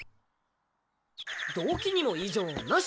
動悸にも異常なし！